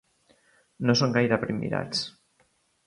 No són gaire primmirats.